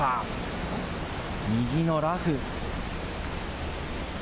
右のラフ。